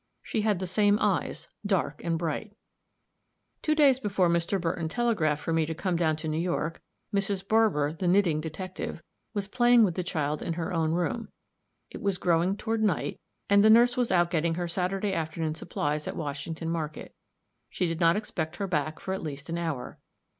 She had the same eyes, dark and bright. Two days before Mr. Burton telegraphed for me to come down to New York, Mrs. Barber, the knitting detective, was playing with the child in her own room. It was growing toward night, and the nurse was out getting her Saturday afternoon supplies at Washington Market; she did not expect her back for at least an hour.